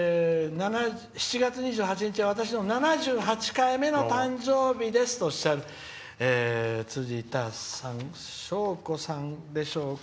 「７月２８日は私の７８回目の誕生日です」とおっしゃるつじたさんしょうこさんでしょうか。